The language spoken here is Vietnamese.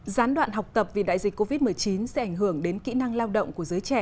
gián đoạn học tập vì đại dịch covid một mươi chín sẽ ảnh hưởng đến kỹ năng lao động của giới trẻ